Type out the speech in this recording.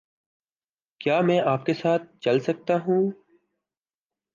کیا میں آپ کے ساتھ چل سکتا ہوں؟